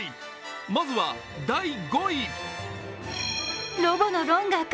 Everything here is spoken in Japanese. まずは第５位。